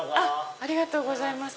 ありがとうございます。